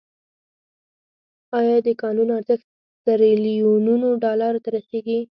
آیا د کانونو ارزښت تریلیونونو ډالرو ته رسیږي؟